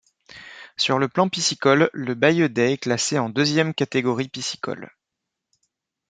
Sur le plan piscicole, le Bailledets est classé en deuxième catégorie piscicole.